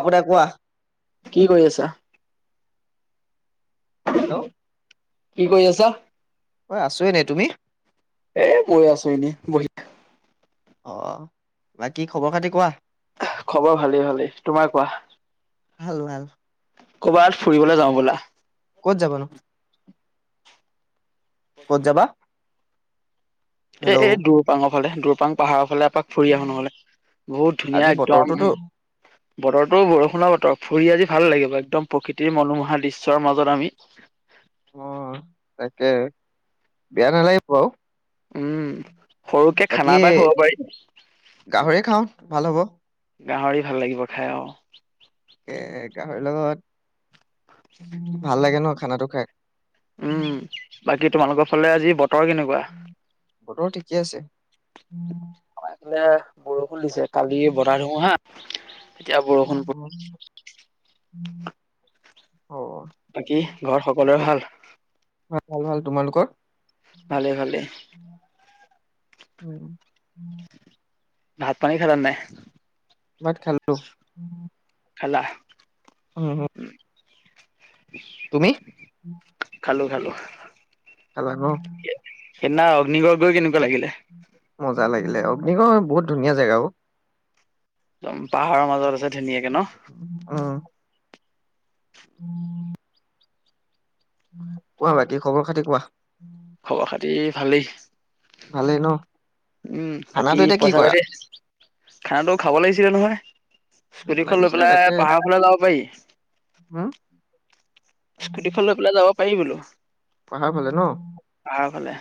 আগতে কোৱা? কি কৰি আছা? হেল্ল', কি কৰি আছা? ঐ আছো এনে তুমি? এ বৈ আছো এনে বহি অ', বা কি খবৰ খাতি কোৱা? খবৰ ভালেই ভালেই। তোমাৰ কোৱা? ভাল-ভাল ক'ৰবাত ফুৰিবলৈ যাওঁ ব'লা। কত যাবনো ক'ত যাবা। এ, হেল্ল' এই দৰপাংৰালে দৰপাং পাহাৰৰ ফালে এপাক ফুৰি আহো নহলে বহুত ধুনীয়া আজি একদম বতৰটোতো বতৰটো বৰষুণ বতৰ ফুৰি আজি ভাল লাগিব। একদম প্ৰকৃতিৰ মনোমোহা দৃশ্যৰ মাজত আমি অ', তাকে বেয়া নালাগিব বাও উম, সৰুকে বাকী খানা এটা খাব পাৰি। গাহৰি খাওঁ ভাল হ'ব গাহৰি ভাল লাগিব খাই অ, এ, গাহৰিৰ লগত ভাল লাগে ন খানাটো খাই। উম, বাকী তোমালোকৰ ফালে আজি বতৰ কেনেকুৱা? বতৰ ঠিকে আছে। আমাৰ বৰষুণ দিছে, কালি বজাই ধোৱা হা- অ [inaudible] বাকী ঘৰত সকলোৱোৰে ভাল ভাল ভাল তোমালোকৰ ভালে ভালে উম, ভাত পানী খালা নে নাই? ভাক খেলো খালা উম উ উম তুমি খালো খালো খালা নো সেইদিনা অগ্নিগড়গৈ কেনেকুৱা লাগিলে মজা লাগিলে অগ্নিগড় বহুত ধুনীয়া জাগাবোৰ একদম পাহাৰৰ মাজত আছে ধুনীয়াকে ন উম উম কোৱা বাকী খবৰ খাতি কোৱা খবৰ খাতি ভালেই ভালেই ন উম খানাটো বাকী এতিয়া কি পইচা কৰা পাতি খানাটো খাব লাগিছিলে নহয় স্কুটিখন লৈ পেলাই পাহাৰৰ ফালে যাব পাৰি হা স্কুটিখন লৈ পেলাই যাব পাৰি বোলো পাহাৰ ফালে ন পাহাৰফালে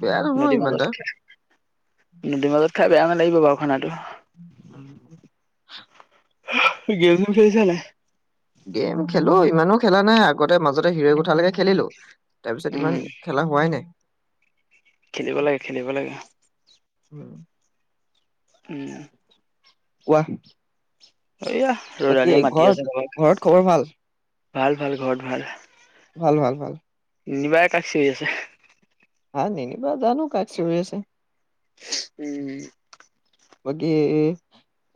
বেয়া নহয় নদীৰ ইমান এটা। মাজত নদীৰ মাজত খাই বেয়া নালাগিব বাৰু খানাটো উম গেজম খেলিছা নাই গেম খেলো ইমানো খেলা নাই আগতে মাজতে হিৰ গোঠালৈকে খেলিলো তাৰপিছত উম ইমান খেলা হোৱাই নাই খেলিব লাগে খেলিব লাগে উ উম কোৱা এয়া বাকী ৰৰালিয় মাতি ঘৰত আছে লগ ঘৰত খবৰ ভাল ভাল ভাল ঘৰত ভাল ভাল ভাল ভাল নিবাৰে কাচি হৈ আছে হা নে নি বাদা ন কাট চ আছে উম বাকী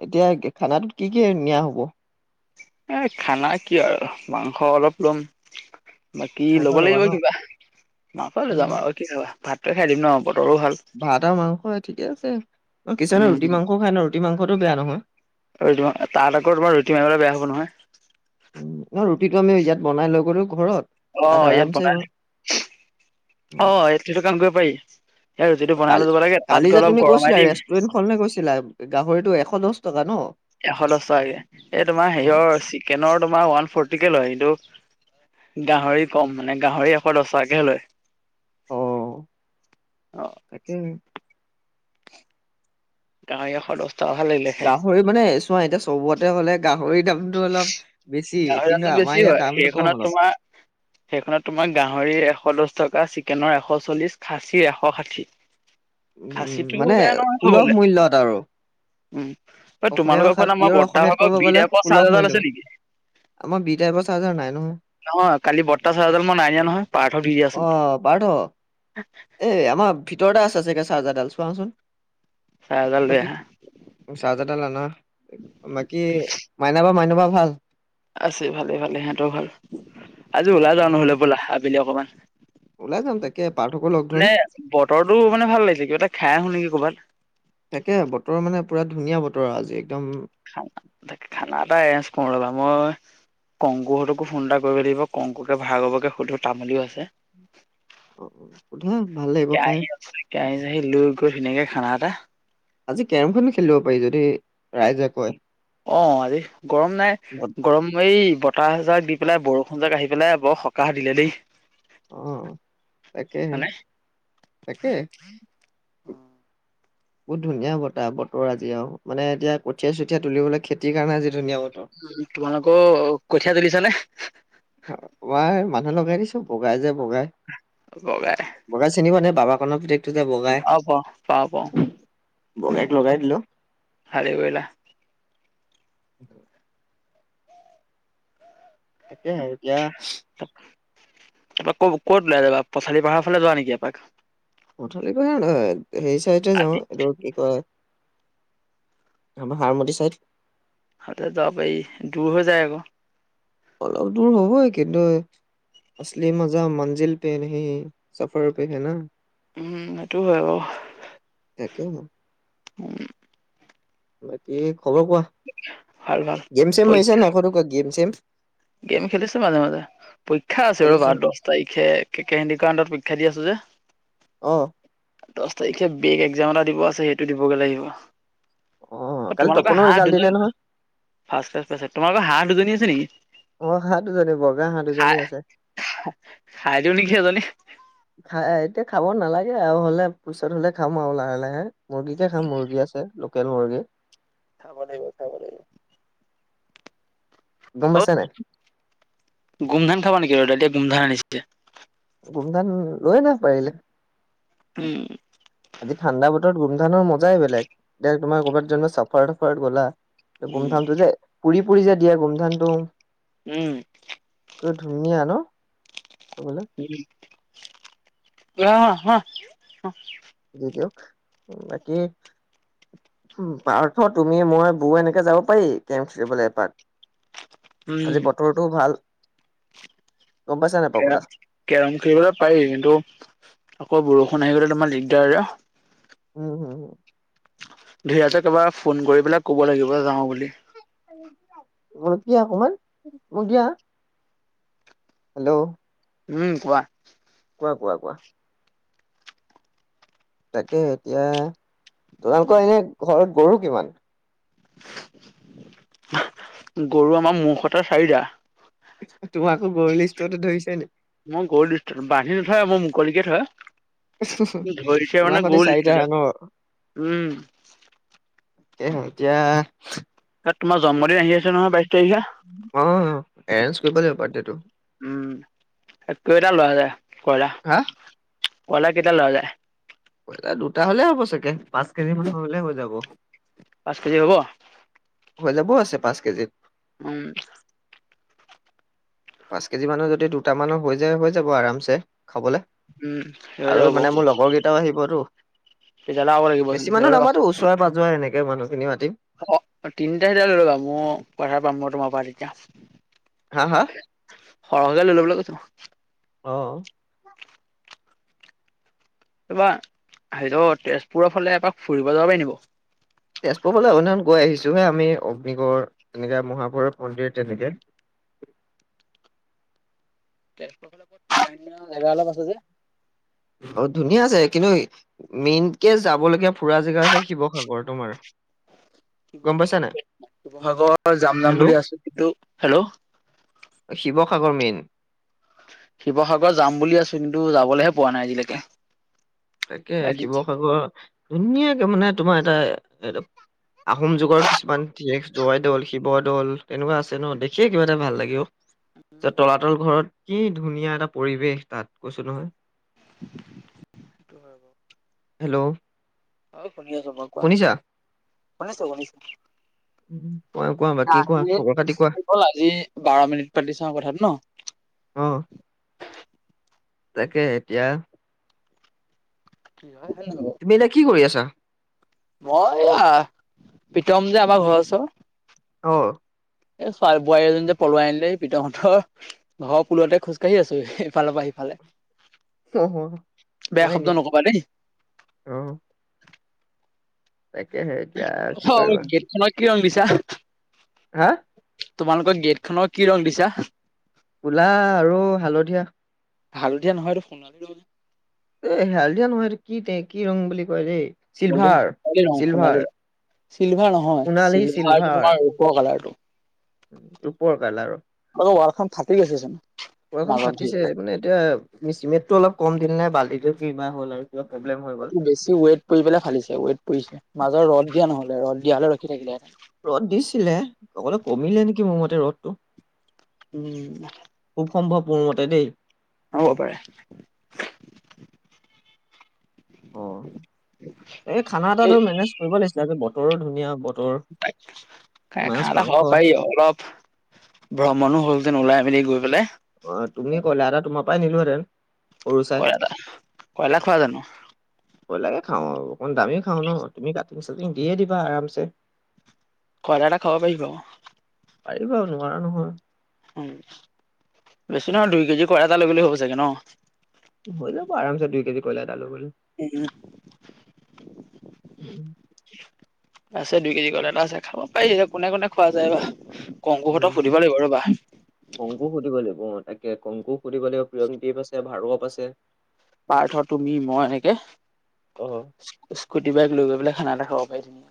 এতিয়া খানাটোত কি কি নিয়া হ'ব এ খানা কি আৰু মাংস অলপ লম বাক কি মাংস ল'ব ল'বা লাগিব ন কিবা মাক লৈ যাম উম আৰু কি হা ভাতটে খাই দিম ন বতৰো ভাল ভাত আৰু মাংস ঠিকে আছে কিছুমানে উম ৰুটি মাংসও খাই ন ৰুটি মাংসতটো বেয়া নহয় ৰুটি তাত আকৈ তোমাৰ ৰুটি মাংস টো বেয়া হব নহয় উ ৰুটিটো আমি ইয়াত বনাই লৈ গ'লো ঘৰত অ তাত ইয়াত বনাই আৰামছে অ ইয়াত সেইটো কাম কৰিব পাৰি ইয়াত ৰুটিটো বনাই কাল লৈ যাব লাগে তাত কালি গৈ যে অলপ তুমি গৰমাই কৈছিলা দিম ৰেষ্টুৰেন্ট খনে কৈছিলা গাহৰিটো এশ দহ টকা ন এশ দহ টকাকে এই তোমাৰ হেৰিয়ৰ চিকেনৰ তোমাৰ ওৱান ফৰ্টিকে লয় কিটো গাহৰি কম মানে গাহৰি আকৌ দহ টাকে লয় অ অ তাকে গাহৰি এশ দহটাশাল লাগিলেহে গাহৰি মানে চোৱা এতিয়া চবতে হ'লে গাহৰিৰ দামতটো অলপ বেছি গাহৰি কিন্তু দামতো আমাৰ বেছি ইয়াত হয়। দামটো কম সেইখনত অলপ তোমাৰ সেইখনত তোমাৰ গাহৰি এশ দচ টকা চিকেনৰ এশ চল্লিশ খাচী এশ ষাঠি উম মানে খাচীটো বেয়া নহয় সুলভ খাবলে মূল্যত আৰু উম। এই অসমীয়া তোমালোকৰ ভাষাত ঘৰত আমাৰ পিয়ৰ বৰ্তাহ অসমীয়াত ক'ব ভাগৰ বি গ'লে ডাভৰ সুলভ চাৰ্জা মূল্য ডাল আছে নেকি? আমাৰ বি টাইপৰ চাৰ্জাৰ নাই নহয় নহয় কালি বৰ্তা চাজা মই নাই নিয়া নহয় পাৰ্থত দি দিআচোন। অ পাৰ্থ এই আমাৰ ভিতৰতে আছে চাগৈ চাৰ্জাৰডাল চোৱাচোন ছাৰ্জা দাল লৈ আহ। চাৰ্জাৰ দাল আনা বাকী মাইনাবা মাইনবা ভাল? আছে ভালে ভালে সিহঁতৰও ভাল আজি ওলাই অ যাওঁ নহ'লে ব'লা আবেলি অকণমান ওলাই যাম তাকে পাৰ্থকো লগ ধৰিম। বতৰতো মানে ভাল লাগিছে কিবা এটা খাই আহো নেকি ক'ৰবাত। তাকে বতৰ মানে পূৰা ধুনীয়া বতৰ আজি একদম খানা এটা এৰেঞ্জ কৰো ৰ'বা মই কংকু হঁতোকো ফোন এটা কৰিব লাগিব কংকুকে ভাৰ্গবকে সুধো তামুলিও আছে। অ, সোধা ভাল লাগিব খাই কেৰাহী আছে কেৰাহী চেয়াহি লৈ গৈ ধুনীয়াকে খানা এটা আজি কেৰম খনো খেলিব পাৰি যদি ৰাইজে কয়। অ', আজি গৰম নাই। বত গৰম এই বতাহজাক দি পেলাই বৰষুণ জাক আহি পেলাই বৰ সকাহ দিলে দেই। অ', তাকে হয়নে? তাকে। [inaudible] বহুত ধুনীয়া বতাহ বতৰ আজি আৰু মানে এতিয়া কঠিয়াই চঠিয়াই তুলিবলৈ খেতিৰ কাৰণে আজি ধুনীয়া বতৰ। তোমালোকৰ কঠীয়া তুলিছা নে? মই মানুহ লগাই দিছো বগাই যে বগাই। বগাই বগাই চিনিব নাই বাবা কণ পোতেকটো যে বগাই অ প পাও পাও বগাইক লগাই দিলো। খালি বইলা। তাকেহে এতিয়া ক'ত ক'ত ওলাই যাবা পথালি পাহাৰ ফালে যোৱা নেকি এপাক? পথালী পিনে নহয় হেৰি চাইডে আতি যাওঁ। কি কয় আমাৰ হাৰমতি চাইদ। তাতে যাব পাৰি দূৰ হৈ যায় আকৌ। অলপ দূৰ হ'বই কিন্তু আচলি মজা মঞ্জিল পে নেহি সফৰ পে হে না। সেইটো হয় বাৰু। [unintelligible] [unintelligible] বাকী খবৰ কোৱা ভাল ভাল গেম চেম পৰীক্ষা মাৰিচানে নাই সৰু কে গেম চেম? গেম খেলিছেো মাজে মাজে পৰীক্ষা আছে খেলিছো বাৰ দহ তাৰিখে কে কে হেণ্ডী কৰ আন্দাৰত পৰীক্ষা দি আছো যে। অঁ'। দহ তাৰিখে বেগ এক্জাম এটা দিব আছে সেইটো দিবগৈ লাগিব। অ কালি তোমালোকৰ তপনৰ হাঁহ ৰিজাল্ট দিলে দুজন নহয় ফাৰ্ষটেক তোমালোকৰ হাঁহ দুজনী আছে নেকি? অ', হাহঁ দুজনী বগা হাঁহ দুজনী আছে খাই দিউ নেকি এজনী। খাই এতিয়া খাব নালাগে আৰু হ'লে পিছত হ'লে খাম আৰু লাহে লাহে। মুৰ্গীকে খাম মুৰ্গী আছে লোকেল মুৰ্গী। খাব লাগিব খাব লাগিব। গম পাইচানে নাই? গুমধান খাব নেকি ৰ'দালিয়ে গুম ধান আনিছে। গুমধান লৈ আনা পাৰিলে। উম। আজি ঠাণ্ডা বতৰত গুমধানৰ মজাই বেলেগ এতি তুমাৰ ক'ৰবাত চাফাৰত তাফাৰত গলা উম গুমধানটো যে পুৰি পুৰি যে দিয়ে গুমধানটো। উম। ধুনীয়া ন' খাবলে? [unintelligible] অ দি দক বাকী উ পাৰ্থ তুমি মই বৌ এনেকে যাব পাৰি কেম খেলিবলৈ এপাত উম আজি বতৰটোও ভাল গম পাইছা নাই কে পাপুদা কেৰম খেলিবলৈ পাৰি কিন্তু আকৌ বৰষুণ আহি গলে তোমাৰ দিগদাৰৰে উম হু হু ধুীয়তে কবা ফোন কৰি পেলাই ক'ব লাগিব যাওঁ বুলি তিা অকমান ম দিয়া হেল্ল' উম কোৱা কোৱা কোৱা কোৱা তাকে এতিয়া তোমালোকৰ এনে ঘৰত গৰু কিমান গৰু আমাৰ মুখটা চাৰিটা তোম আকৌ গৰু লিষ্টতে ধৰিছে নেকি মই গৰু দি বান্ধি নথয় মই মুকলিকে থয় ধৰিছে তোমাৰ মানে সতে চাৰিটা গলছিল য ন উম স হতিয়া তাত তোমাৰ জন্মদ আহ আছে নহয় বাইশ তাৰিখে অ এৰেঞ্জ কৰিব লাগিব বাৰ্থডটো উম কেইটাম লোৱা যায় কইলা হা কলা কেইদাল ললে কা দুটা হলে হ'ব চাগে পাঁচ কেজি মান হৈলে হৈ যাব পাঁচ কেজি হ'ব হৈ যাবও আছে পাঁচ কেজিত উম পাঁচ কেজি মানৰ যদি দুটামানৰ হৈ যায় হৈ যাব আৰামছে খাবলৈ উম হৈ আৰু যাব বাৰু মানে মোৰ লগৰ কেইটাও আহিবতো তেতিয়াহ'লে আৰু লাগিবচোন বেছি লৈ মানুহ ল'বা নামাতো উচ চৰা বাজোৱা এনেকৈ মানুহখিনি মাতিম অ তিনিটা হিট লৈ ল'বা মই পথাৰ পাম মই তোমাৰ পৰা তেতিয়া হা হা সৰহকে লৈলে বোলে কৈছ অ তা সেইত তেজপুৰৰ ফালে এপাক ফুৰিব যাব পাৰি নিব তেজপুৰ ফালে অন্য গৈ আহিছোহে আমি অগ্নিগড় তেনেকে মহাভৈৱ মন্দিৰ তেনেকে তেজপুৰৰ ফালৰ অন্য জেগা অলপ আছে যে অ ধুনীয়া আছে কিন্তু মেইন কেজ যাব লগগীয়া ফুৰা জেগাছে শিৱসাগৰ তোমাৰ গম শিৱসাগ পাইছা নাই শিৱসাগৰ যাম যাম বুলি আছো কিন্তু হেল্ল' শিৱসাগৰ মেইন শিৱসাগৰত যাম বুলি আছো কিন্তু যাবলৈহে পোৱা নাই আজিলৈকে তাকে এদিন শিৱসাগৰ ধুনীয়াকে মানে তোমাৰ এটা আহোম যুগৰ কিছুমান শেষ জৱাই দৌল শিৱ দৌল তেনেকুৱা আছে ন দেখিয়ে কিবা এটা ভাল লাগে যে তলাতল ঘৰত কি ধুনীয়া এটা পৰিৱেশ তাত কৈছো নহয় সেইটো হয় বাৰু হেল্ল' অ শুনিয়াছ শুনিছা মানে চবকে উম, কোৱা কোৱা বাকী কোৱা খবৰ খাতি কোৱা? গ'ল আজি বাৰ মিনিট পাতি চাওঁ কথাটো ন অ তাকে এতিয়া হেল্ল'। তুমি এতিয়া কি কৰি আছা। মই অ', প্ৰিতম যে আমাৰ ঘৰৰ ওচৰত অ'। এ চোৱ বোৱাৰী এজনী যে পোলোৱাই আনিলে প্ৰিতম হতৰ ঘৰ পুলতে খোজকাঢ়ি আছো ইফালৰ পৰা সিফালে অ বেয়া হয় শব্দ নি? নকবা দেই। অ'। তাকেহে এতিয়া কি চাও কৰিবা? গেটখনক কি ৰং দিছা? হা। তোমালোকৰ গেট খনৰ কি ৰং দিছা। কলা আৰু হালধীয়া। হালধীয়া নহয় এই সোনালী এ হাল দিয়া নহয়টো কি তে কি ৰং বুলি কয় দেই। সোণালী চিলভাৰ ৰং চিলভাৰ সোনালী ৰং‌ চিলভাৰ নহয় চিলভাৰ তোমাৰ ৰূপৰ কালাৰটো ৰূপৰ কালৰ ওৱাল খন‌ ফাটি গৈছে চোন। ভৰিখন মাজত ধৰি ফাটিছে পেলাই। মানে এতিয়া চিমেণ্টতটো অলপ কম দিলে নে বালি কিবা হ'ল আৰু। কিবা প্ৰব্লেম হৈ গ'ল। ৱেট পৰি পেলাই ফালিছে ৱেইট পৰিছে মাজত ৰদ দিয়া নহলে ৰদ দিয়া হলে ৰখি থাকিলেহেতেন। ৰ'দ দিছিলে অকলে কমিলে নেকি মোৰ মতে ৰ'দটো। উম। খুব সম্ভৱ মোৰ মতে দেই। হ'ব পাৰে। অ', এই খানা এটা এই ধৰ মেনেজ কৰিব লাগিছিলে বতৰো ধুনীয়া বতৰ মাছ খানা মাংস খাব পাৰি অলপ ভ্ৰমণো হ'লহতেন ওলাই মেলি গৈ পেলাই অ', তুমি কলা তোমাৰ পৰাই নিলোহেতেন। কয়লা কয়লা খোৱা জানো। কয়লাকে খাওঁ আৰু অকমান দামি খাওঁ ন তুমি কাটিং চাটিং দিয়ে দিবা আৰামছে। কয়লটা খাব পাৰি বাৰু। পাৰিব নোৱাৰা নহয়। বেছি নহয় দুই কেজি কয়লা‌এটা লৈ গলে হ'ব চাগে ন। হৈ যাব আৰামছে দুই কেজি কয়লা এটা লৈ গ'লে। উম। আছে দুই কেজি কয়লাটা আছে খাব পাৰি কোনে কোনে খোৱা যায় বা। কংকুহঁতক উম সুধিব লাগিব ৰ'বা। উ। কংকু সুধিব লাগিব তাকে কংকু সুধিব লাগিব প্ৰিয়ং দীপ আছে ভাৰ্গৱ আছে। পাৰ্থ তুমি মই এনেকে অ স্কুটি বাইক লৈ গৈ পেলাই খানা এটা খাব পাৰিম।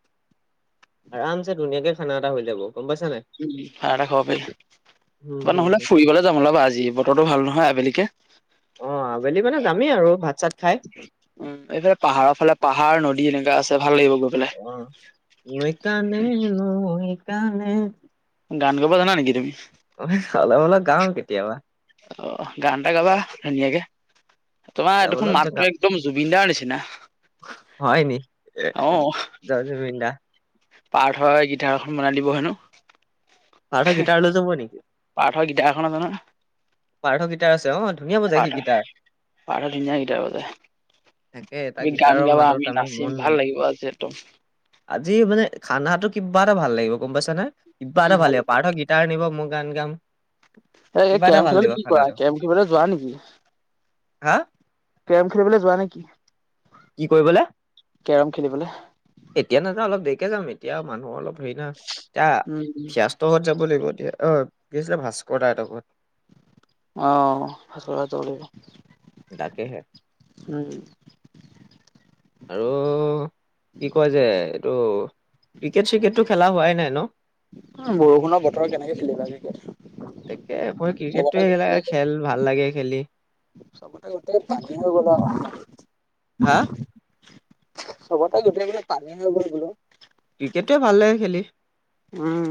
আৰাম চে ধুনীয়াকে খানা এটা হৈ যাব। গম পাইছা নাই উম, খানা‌এটা খাব উম পাৰি হুম নহ'লে হুম ফুৰিবলৈ যাম [unintelligible] বতৰটো ভাল নহয় আবেলিকে অ', আবেলি মানে যামেই আৰু ভাত চাত খাই। উম এইফালে পাহাৰৰ ফালে পাহাৰ নদী এনেকা আছে ভাল লাগিব গৈ পেলাই। অ', নৈ কানে নৈ কানে গান গাব জানা নেকি তুমি। অলপ অলপ গাও কেতিয়াবা। অ', গান এটা গাবা ধুনীয়াকে তোমাৰ অলপ দেখোন অলপ মাতটো জেগা একদম জুবিন দা নিছিনা। হয় নি? জয় জুবিন দা। পাৰ্থয়ে গিটাৰখন বনাই দিব হেনো। পাৰ্থয়ে গিটালৈ যাব নেকি? পাৰ্থৰ গিটাৰ এখন আছে নহয়। পাৰ্থ গিটাৰ আছে অ ধুনীয়া বজাই সি পাৰ্থ গিটাৰ পাৰ্থই ধুনীয়া গিটাৰ বজাই। তাকে তাৰ তুমি গিটাৰৰ গান গাবা মাতত আমি মন নাচিম ভাল লাগিব আজি একদম। আজি মানে খানাটো কিবা এটা ভাল লাগিব গম পাইছা নে কিবা এটা ভাল লাগিব পাৰ্থয়ে গিটাৰ গিটাৰ নিব মই গান গাম। এ কিবা এটা কেৰম ভাল খেলতো লাগিব কি কৰা খানাটো কেৰম খেলীবলৈ যোৱা নেকি? হা? কেৰম খেলিবলৈ যোৱা নেকি? কি কৰিবলৈ? কেৰম খেলিবলে এতিয়া নাযাওঁ অলপ দেৰিকে যাম এতিয়া মানুহৰ অলপ হৰি ন উম এতিয়া [unintelligible] যাব লাগিব দিয়া অ' কি আছিলে ভাস্কৰদাহঁতৰ ঘৰত। অ', ভাস্কৰ তাত যাব লাগিব। তাকেহে। উম। আৰু কি কয় যে এইটো ক্ৰিকেট চিকেটটো খেলা হোৱাই নাই ন। বৰষুণৰ বতৰ কেনেকে খেলিবা ক্ৰিকেট। তাকে মই ক্ৰিকেট চবতে [unintelligible] গোটেই খেল ভাল লাগে খেলি। চবতে এতিয়া পানী হৈ গ'ল আৰু। হা চবতে গোটেইবিলাক পানীহৈ গ'ল বোলো। ক্ৰিকেটতোৱে ভাল লাগে খেলি। উম।